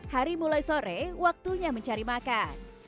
hari mulai sore waktunya mencari makan